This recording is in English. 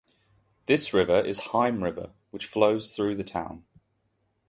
This river is Hime River, which flows through the town.